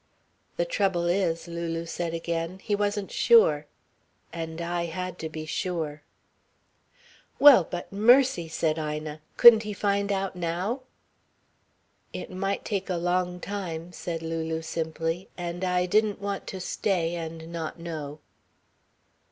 The trouble is," Lulu said again, "he wasn't sure. And I had to be sure." "Well, but mercy," said Ina, "couldn't he find out now?" "It might take a long time," said Lulu simply, "and I didn't want to stay and not know."